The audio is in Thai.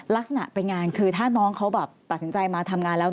ลักษณะเป็นงานคือถ้าน้องเขาแบบตัดสินใจมาทำงานแล้ว